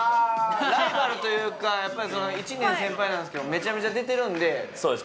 ライバルというかやっぱり１年先輩なんですけどめちゃめちゃ出てるんでそうです